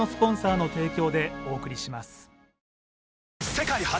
世界初！